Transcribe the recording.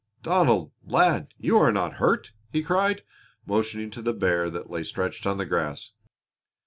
"Donald, lad, you are not hurt?" he cried, motioning to the bear that lay stretched on the grass.